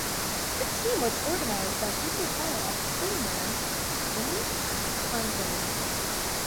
The team was organized by future Hall of Famer, Jimmy Conzelman.